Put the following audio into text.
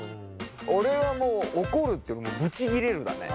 俺はもう怒るっていうよりブチ切れるだね。